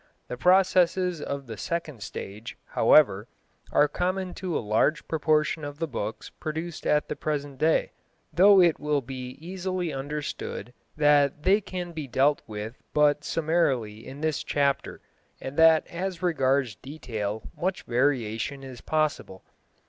The processes of the second stage, however, are common to a large proportion of the books produced at the present day, though it will be easily understood that they can be dealt with but summarily in this chapter, and that as regards detail much variation is possible.